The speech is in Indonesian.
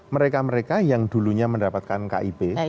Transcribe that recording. mereka mereka yang dulunya mendapatkan kip